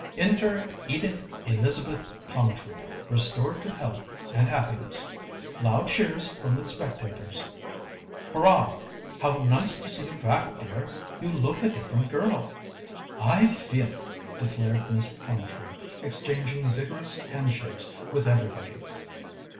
XI "Enter Edith Elizabeth Plumtree, restored to health and happiness. Loud cheers from the spectators." "Hurrah! How nice to see you back, dear! You look a different girl." "I feel it," declared Miss Plumtree, exchanging vigorous handshakes with everybody.